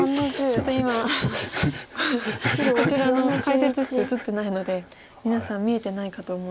ちょっと今こちらの解説室映ってないので皆さん見えてないかと思うんですが。